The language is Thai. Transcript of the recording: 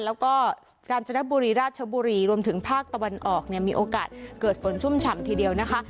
แล้วก็กาญจนบุรีราชบุรีรวมถึงภาคตะวันออกเนี่ยมีโอกาสเกิดฝนชุ่มฉ่ำทีเดียวนะคะ